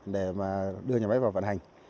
để mà đưa nhà máy vào vận hành